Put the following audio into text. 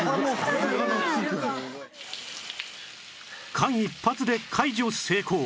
間一髪で解除成功